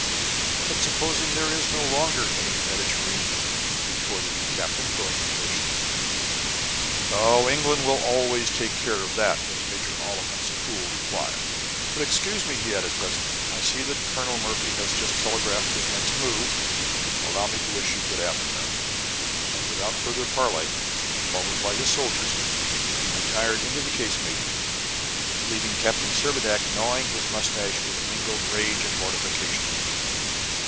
"But supposing there is no longer any Mediterranean?" retorted the captain, growing impatient. "Oh, England will always take care of that," was Major Oliphant's cool reply. "But excuse me," he added presently; "I see that Colonel Murphy has just telegraphed his next move. Allow me to wish you good afternoon." And without further parley, followed by his soldiers, he retired into the casemate, leaving Captain Servadac gnawing his mustache with mingled rage and mortification.